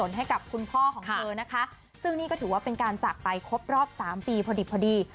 ถือว่าว่าเป็นการจับไปครบรอบสามปีพอดี